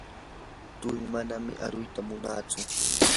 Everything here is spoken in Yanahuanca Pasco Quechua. turii manan aruyta munantsu.